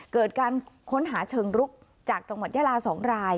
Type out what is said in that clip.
เกิดการค้นหาเชิงรุกจากจังหวัดยาลา๒ราย